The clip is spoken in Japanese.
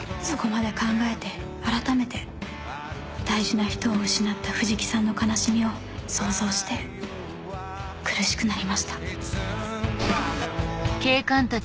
そこまで考えて改めて大事な人を失った藤木さんの悲しみを想像して苦しくなりましたお兄さん。